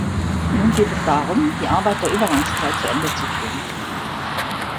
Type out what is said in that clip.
Nun geht es darum, die Arbeit der Übergangszeit zu Ende zu führen.